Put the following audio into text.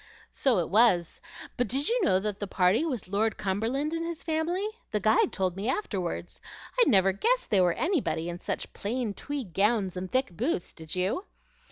"So it was; but did you know that the party was Lord Cumberland and his family? The guide told me afterward. I never guessed they were anybody, in such plain tweed gowns and thick boots; did you?"